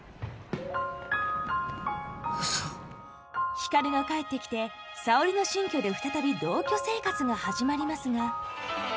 光が帰ってきて沙織の新居で再び同居生活が始まりますが。